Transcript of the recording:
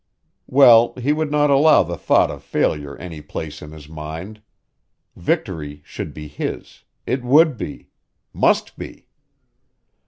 Well, he would not allow the thought of failure any place in his mind. Victory should be his it would be, must be!